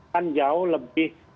kan jauh lebih